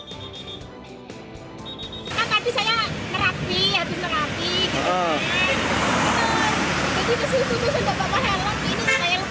pertama kali saya nerapi habis nerapi